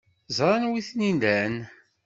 Ẓran wi ten-ilan.